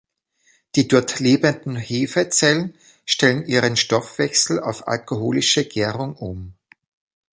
Die dort lebenden Hefezellen stellen ihren Stoffwechsel auf alkoholische Gärung um.